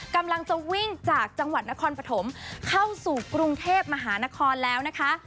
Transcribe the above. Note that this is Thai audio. กำลังจะวิ่งจากจังหวัดนครปฐมเข้าสู่กรุงเทพมหานครแล้วนะคะ